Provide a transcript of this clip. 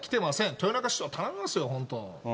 豊中市、頼みますよ、本当。